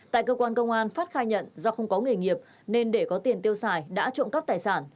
tại cơ quan công an phát khai nhận do không có nghề nghiệp nên để có tiền tiêu xài đã trộm cắp tài sản